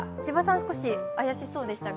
少し怪しそうでしたが。